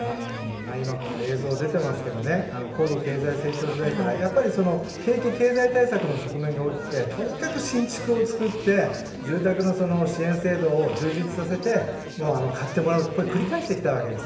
今、この映像出てますけど、高度経済成長時代からやっぱり景気経済対策の側面が大きくて、とにかく新築を作って、住宅の支援制度を充実させて買ってもらう、これを繰り返してきたわけです。